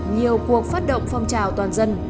nhiều cuộc phát động phong trào toàn dân